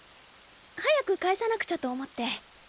早く返さなくちゃと思って。